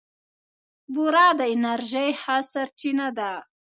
بوره د انرژۍ ښه سرچینه ده.